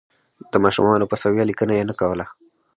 د ماشومانو په سویه لیکنه یې نه کوله.